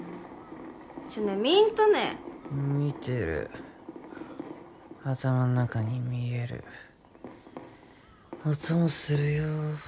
見んとね見てる頭ん中に見える音もするよ